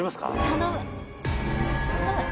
頼む。